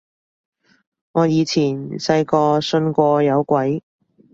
我以前細個信過有鬼